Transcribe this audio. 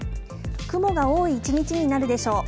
雲が多い一日になるでしょう。